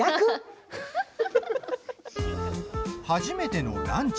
初めてのランチ。